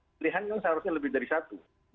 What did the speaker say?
pilihan kan seharusnya lebih dari satu